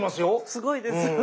すごいです！